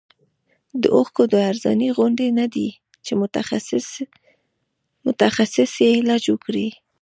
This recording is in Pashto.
د اوښکو د ارزانۍ غوندې نه دی چې متخصص یې علاج وکړي.